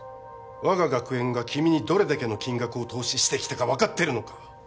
我が学園が君にどれだけの金額を投資してきたか分かってるのか？